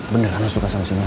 bener kan lo suka sama simel